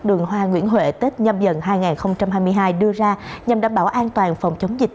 đường hoa nguyễn huệ tết nhâm dần hai nghìn hai mươi hai đưa ra nhằm đảm bảo an toàn phòng chống dịch